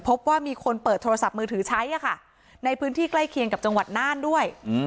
พบว่ามีคนเปิดโทรศัพท์มือถือใช้ในพื้นที่ใกล้เคียงกับจังหวัดน่านด้วย